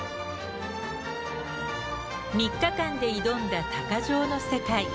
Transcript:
３日間で挑んだ鷹匠の世界。